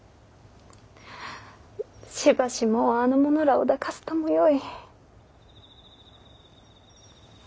しばしもうあの者らを抱かずともよい。